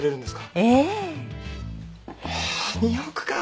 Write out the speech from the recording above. え２億か。